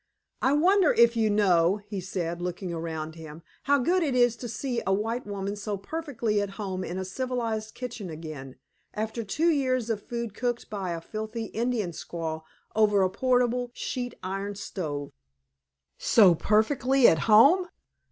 "I wonder if you know," he said, looking around him, "how good it is to see a white woman so perfectly at home in a civilized kitchen again, after two years of food cooked by a filthy Indian squaw over a portable sheet iron stove!" SO PERFECTLY AT HOME?